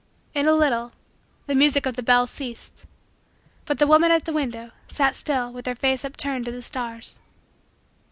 In a little, the music of the bells ceased. But the woman, at the window, sat still with her face upturned to the stars.